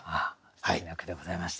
すてきな句でございました。